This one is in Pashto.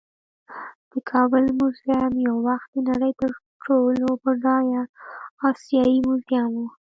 د کابل میوزیم یو وخت د نړۍ تر ټولو بډایه آسیايي میوزیم و